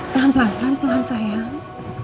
pelan pelan pelan pelan sayang